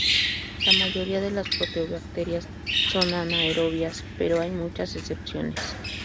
La mayoría de las proteobacterias son anaerobias, pero hay muchas excepciones.